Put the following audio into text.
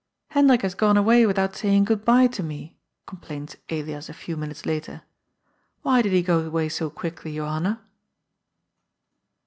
"Hendrik has gone away without saying * Good bye' to me," complains Elias a few minutes later. " Why did he go away so quickly, Johanna?"